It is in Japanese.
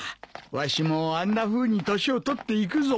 わしもあんなふうに年を取っていくぞ。